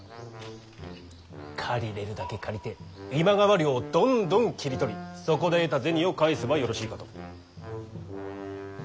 借りれるだけ借りて今川領をどんどん切り取りそこで得た銭を返せばよろしいかと。